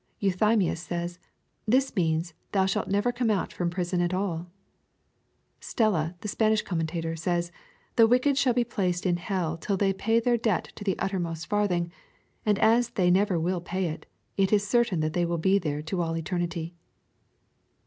Euthymius says, '' This means, Thou shalt never come out from prison at all." Stella, the Spanish commentator, says, " The wicked shall be placed in hell till they pay their debt to the uttermost farthing ; and as they never will pay it, it is certain that they will be there to all eternity.